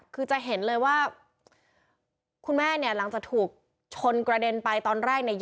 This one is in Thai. คือจะเห็นเลยว่าคุณแม่เนี่ยหลังจากถูกชนกระเด็นไปตอนแรกเนี่ย